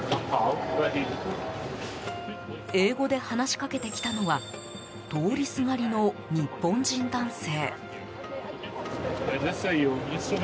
英語で話しかけてきたのは通りすがりの日本人男性。